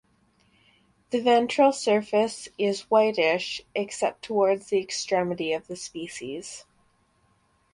The ventral surface is whitish except towards the extremity of the species.